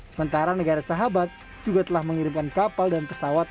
sementara negara sahabat juga telah mengirimkan kapal dan pesawat